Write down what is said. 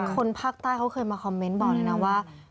คนภาคใต้เขาเคยมาคอมเมนต์บอกเลยนะว่า